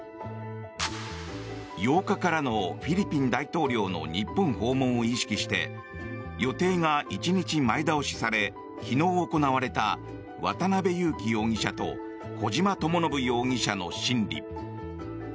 ８日からのフィリピン大統領の日本訪問を意識して予定が１日前倒しされ昨日、行われた渡邉優樹容疑者と小島智信容疑者の審理。